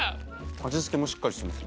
味付けもしっかりしてます